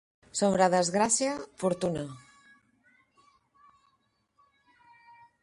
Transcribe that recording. Sobre desgràcia, fortuna.